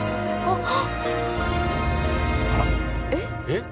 えっ？